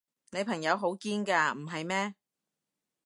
你朋友好堅㗎，唔係咩？